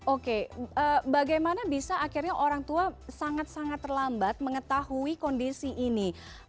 oke bagaimana bisa akhirnya orang tua sangat sangat terlambat mengetahui kondisi ini